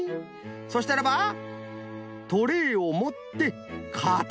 そしたらばトレイをもってかたむけます。